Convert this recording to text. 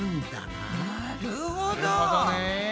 なるほどね。